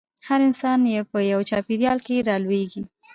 هر انسان په يوه چاپېريال کې رالويېږي.